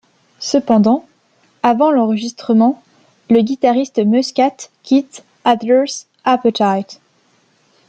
Cependant, avant l'enregistrement, le guitariste Muscat quitte Adler's Appetite.